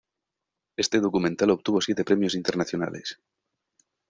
Este documental obtuvo siete premios internacionales.